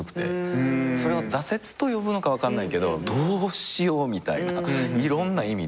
それを挫折と呼ぶのか分かんないけどどうしようみたいないろんな意味で。